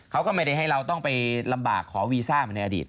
เขาก็ไม่ได้ให้เราต้องไปลำบากขอวีซ่ามาในอดีต